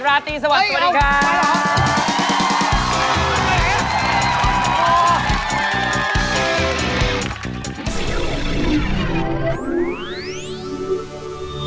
ราตรีสวัสดีครับ